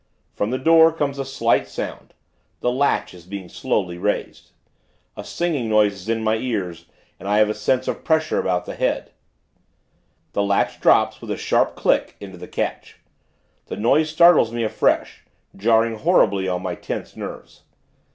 From the door, comes a slight sound the latch is being slowly raised. A singing noise is in my ears, and I have a sense of pressure about the head The latch drops, with a sharp click, into the catch. The noise startles me afresh; jarring, horribly, on my tense nerves.